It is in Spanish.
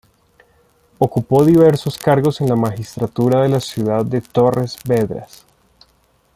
Ocupó diversos cargos en la magistratura de la ciudad de Torres Vedras.